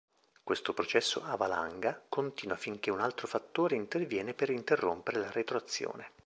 Questo processo "a valanga" continua finché un altro fattore interviene per interrompere la retroazione.